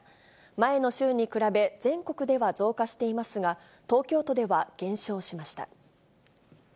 前の週に比べ、全国では増加していますが、東京都では減少しました。